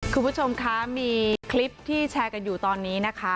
คุณผู้ชมคะมีคลิปที่แชร์กันอยู่ตอนนี้นะคะ